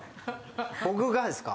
僕がですか？